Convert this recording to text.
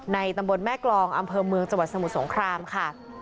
ตำบลแม่กรองอำเภอเมืองจังหวัดสมุทรสงครามค่ะ